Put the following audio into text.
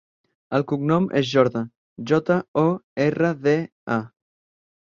El cognom és Jorda: jota, o, erra, de, a.